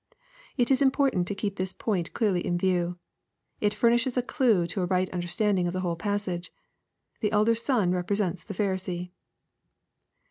It is important to keep this point clearly in view. It furnishes a clue to a right understanding of the whole passage. The elder son represents the Pharisee.